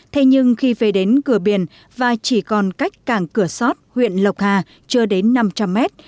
thế nhưng khi về đến cửa biển và chỉ còn cách cảng cửa sót huyện lộc hà chưa đến năm trăm linh mét